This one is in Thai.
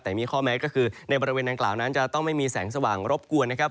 แต่มีข้อแม้ก็คือในบริเวณดังกล่าวนั้นจะต้องไม่มีแสงสว่างรบกวนนะครับ